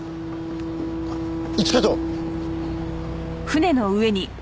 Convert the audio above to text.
一課長！